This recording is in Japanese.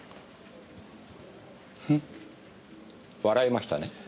笑いましたね？